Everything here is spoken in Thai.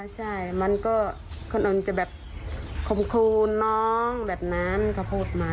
ใช่มันก็คนอื่นจะแบบคมครูน้องแบบนั้นก็พูดมา